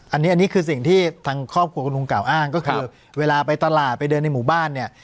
อันนี้อันนี้คือสิ่งที่ทางครอบครัวคุณลุงกล่าวอ้างก็คือเวลาไปตลาดไปเดินในหมู่บ้านเนี่ย